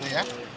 ya gitu ya